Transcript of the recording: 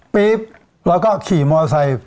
ปรีบแล้วก็ขี่โมเซย